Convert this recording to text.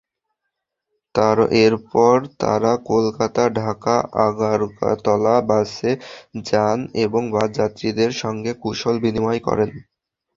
এরপর তাঁরা কলকাতা-ঢাকা-আগরতলা বাসে যান এবং বাস যাত্রীদের সঙ্গে কুশল বিনিময় করেন।